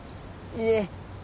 いえ。